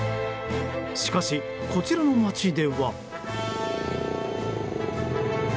しかし、こちらの街では。